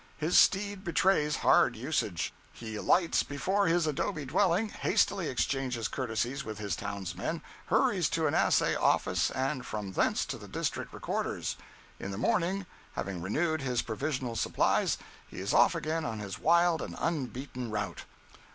His steed betrays hard usage. He alights before his adobe dwelling, hastily exchanges courtesies with his townsmen, hurries to an assay office and from thence to the District Recorder's. In the morning, having renewed his provisional supplies, he is off again on his wild and unbeaten route.